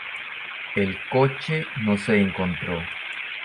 El coche no se encontró.